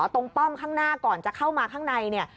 ตรงป้องข้างหน้าก่อนจะเข้ามาข้างใน